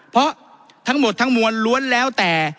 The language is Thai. เพราะทั้งหมดทั้งมวลล้วนแล้วแต่